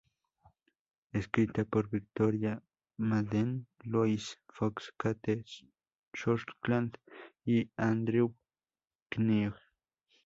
Escrita por Victoria Madden, Louise Fox, Cate Shortland y Andrew Knight.